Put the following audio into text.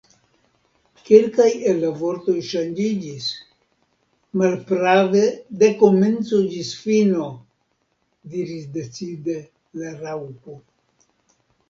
"Kelkaj el la vortoj ŝanĝiĝis." "Malprave, de komenco ĝis fino," diris decide la Raŭpo.